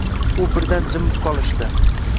U birdan jimib qolishdi.